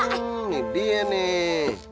nih dia nih